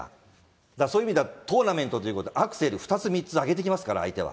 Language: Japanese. だからそういう意味では、トーナメントということで、アクセル、２つ、３つ上げてきますから、相手は。